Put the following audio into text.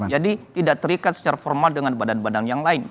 jadi tidak terikat secara formal dengan badan badan yang lain